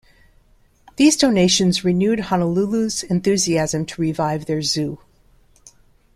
These donations renewed Honolulu's enthusiasm to revive their zoo.